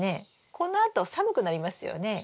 このあと寒くなりますよね。